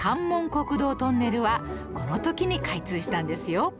国道トンネルはこの時に開通したんですよ